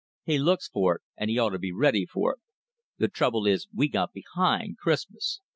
He looks for it, and he oughta be ready for it. The trouble is we got behind Christmas.